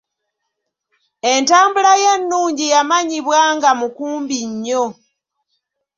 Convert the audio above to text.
Entambula ye ennungi yamanyibwa nga mukumbi nnyo.